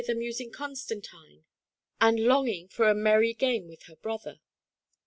141 amusing Constantine, and longing for a merry game with her brother.